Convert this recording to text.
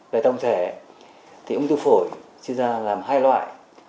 về tổng thể thì ung thư phổi sinh ra làm hai loại